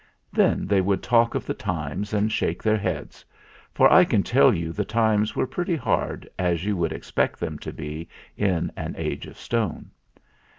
Then they would talk of the times and shake their heads; for I can tell you the times were pretty hard, as you would expect them to be in an Age of Stone.